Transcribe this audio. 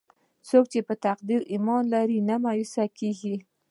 څوک چې په تقدیر ایمان لري، نه مایوسه کېږي.